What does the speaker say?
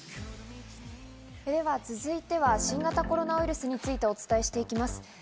では続いては新型コロナウイルスについてお伝えしていきます。